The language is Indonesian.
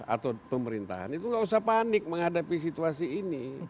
atau pemerintahan itu nggak usah panik menghadapi situasi ini